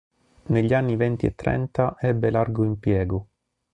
Negli anni venti e trenta ebbe largo impiego.